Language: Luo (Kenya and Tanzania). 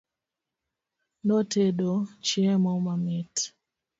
Notedo chiemo mamit